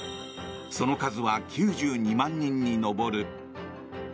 その数は９２万人に上る。